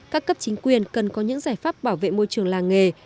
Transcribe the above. các cấp chính quyền cần có những giải pháp bảo vệ môi trường làng nghề